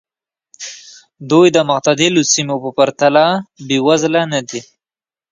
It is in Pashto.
دوی د معتدلو سیمو په پرتله بېوزله نه دي.